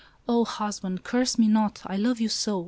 "Oh husband, curse me not ! I love you so.